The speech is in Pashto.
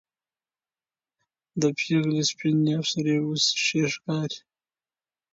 د پېغلې سپينې او سرې وڅې ښې ښکاري